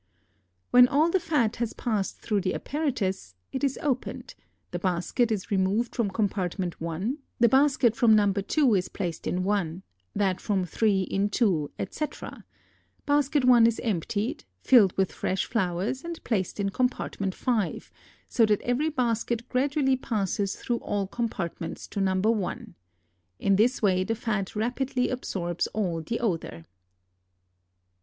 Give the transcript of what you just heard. When all the fat has passed through the apparatus, it is opened, the basket is removed from compartment 1, the basket from No. 2 is placed in 1, that from 3 in 2, etc.; basket 1 is emptied, filled with fresh flowers, and placed in compartment 5, so that every basket gradually passes through all compartments to No. 1. In this way the fat rapidly absorbs all the odor.